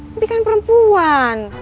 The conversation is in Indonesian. simpi kan perempuan